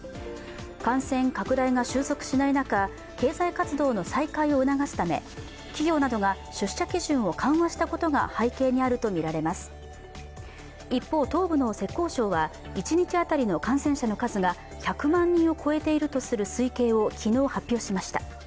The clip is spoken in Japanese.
感染拡大が収束しない中、経済活動の再開を促すため企業などが出社基準を緩和したことが一方、東部の浙江省は一日当たりの感染者の数が１００万人を超えているとする推計を昨日、発表しました。